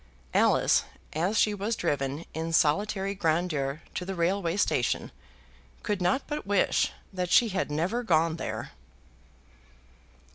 Alice, as she was driven in solitary grandeur to the railway station, could not but wish that she had never gone there.